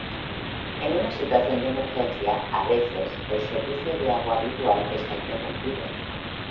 En una situación de emergencia, a veces el servicio de agua habitual está interrumpido